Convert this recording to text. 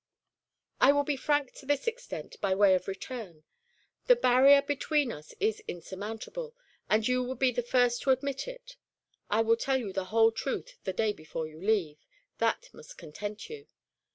"I will be frank to this extent, by way of return: The barrier between us is insurmountable, and you would be the first to admit it. I will tell you the whole truth the day before you leave; that must content you.